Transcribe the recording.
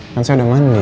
kan saya udah mandi